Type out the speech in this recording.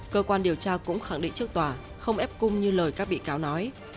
cơ quan điều tra cũng khẳng định trước tòa không ép cung như lời các bị cáo nói